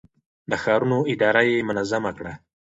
د ښارونو اداره يې منظم کړه.